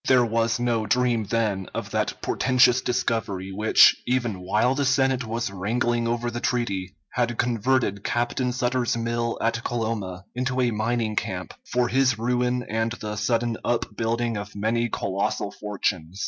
There was no dream, then, of that portentous discovery which, even while the Senate was wrangling over the treaty, had converted Captain Sutter's mill at Coloma into a mining camp, for his ruin and the sudden up building of many colossal fortunes.